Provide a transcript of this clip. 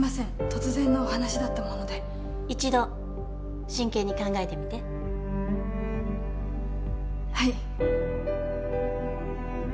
突然のお話だったもので一度真剣に考えてみてはいＭ＆Ａ？